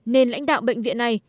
nên lãnh đạo bệnh viện này